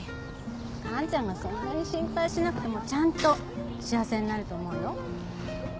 完ちゃんがそんなに心配しなくてもちゃんと幸せになると思うよ。